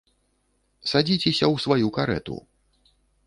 Садзіцеся ў сваю карэту!